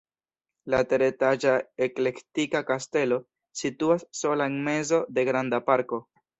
La teretaĝa eklektika kastelo situas sola en mezo de granda parko.